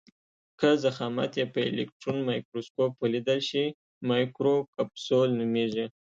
که ضخامت یې په الکټرون مایکروسکوپ ولیدل شي مایکروکپسول نومیږي.